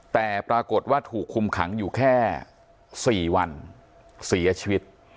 แต่ปรากฏว่าถูกคุมขังอยู่แค่๔วันเสียชีวิต